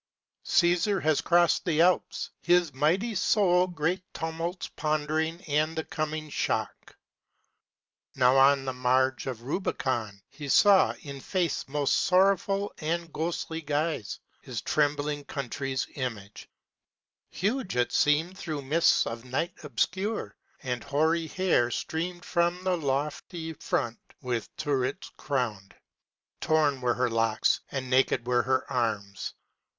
Caesar has crossed the Alps, his mighty soul Great tumults pondering and the coming shock. Now on the marge of Rubicon, he saw, In face most sorrowful and ghostly guise, His trembling country's image; huge it seemed Through mists of night obscure; and hoary hair Streamed from the lofty front with turrets crowned: Torn were her locks and naked were her arms.